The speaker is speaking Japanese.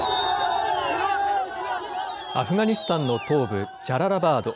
アフガニスタンの東部ジャララバード。